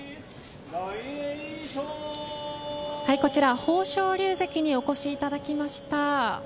こちら、豊昇龍関にお越しいただきました。